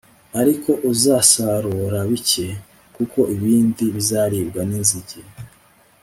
ariko uzasarura bike+ kuko ibindi bizaribwa n'inzige